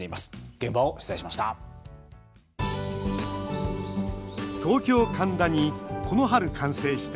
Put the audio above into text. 現場を取材しました。